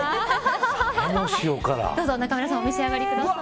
どうぞ、中村さんお召し上がりください。